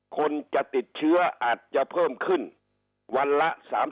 คนจะติดเชื้ออาจจะเพิ่มขึ้นวันละ๓๐